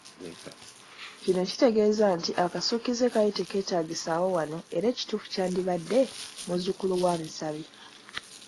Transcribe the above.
Kino kitegeeza nti akasukkize kaali tekeetaagisaawo wano era ekituufu kyandibadde "Muzzukulu wa musabi."